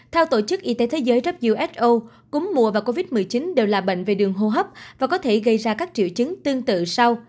theo tổ chức y tế thế giới who cúm mùa và covid một mươi chín đều là bệnh về đường hô hấp và có thể gây ra các triệu chứng tương tự sau